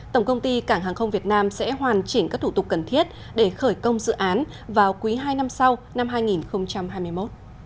tổng công ty cảng hàng không việt nam sẽ hoàn chỉnh các thủ tục cần thiết để khởi công dự án vào quý hai năm sau năm hai nghìn hai mươi một